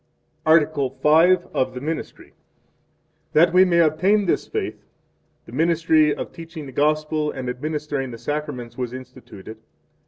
Article V. Of the Ministry. 1 That we may obtain this faith, the Ministry of Teaching the Gospel and administering the Sacraments was instituted.